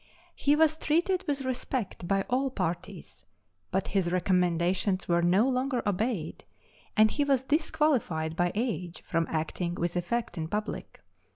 He was treated with respect by all parties, but his recommendations were no longer obeyed, and he was disqualified by age from acting with effect in public.